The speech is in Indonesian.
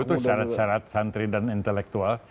itu syarat syarat santri dan intelektual